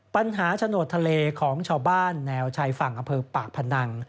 โฉนดทะเลของชาวบ้านแนวชายฝั่งอำเภอปากพนัง